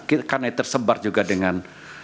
karena tersebar juga dengan